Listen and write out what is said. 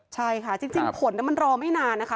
ใช่ค่ะจริงผลมันรอไม่นานนะคะ